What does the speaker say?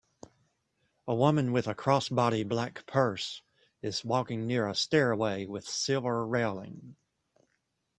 A woman with a crossbody black purse is walking near a stairway with silver railing.